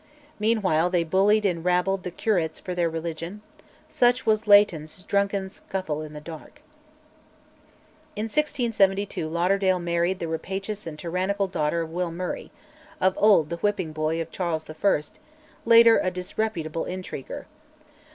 Meanwhile they bullied and "rabbled" the "curates" for their religion: such was Leighton's "drunken scuffle in the dark." In 1672 Lauderdale married the rapacious and tyrannical daughter of Will Murray of old the whipping boy of Charles I., later a disreputable intriguer.